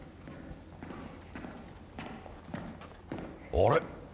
あれ？